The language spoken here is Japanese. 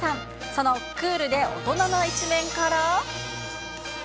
そのクールで大人の一面から。